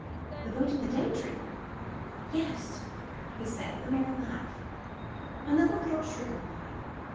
"The boat of the Day Dream?" "Yes!" he said, with a merry laugh; "another little trick of mine.